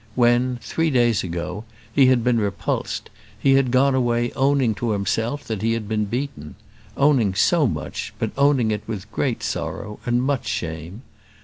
When, three days ago, he had been repulsed, he had gone away owning to himself that he had been beaten; owning so much, but owning it with great sorrow and much shame.